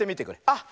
あっ！